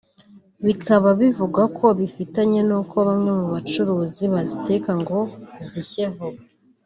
bikaba bivugwa ko bifitanye n’uko bamwe mu bacuruzi baziteka kugira ngo zishye vuba